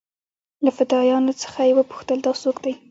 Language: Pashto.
له فدايانو څخه يې وپوښتل دا سوک دې.